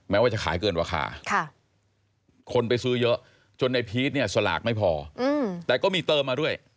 แม้ว่าจะขายเกินข้าคนไปซื้อเยอะในพีชสลากไม่พอแต่ก็มีเติมมาด้วย